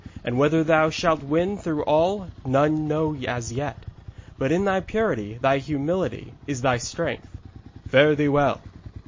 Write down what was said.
And whether thou shalt win through all, none know as yet. But in thy purity, thy humility, is thy strength. Fare thee well!'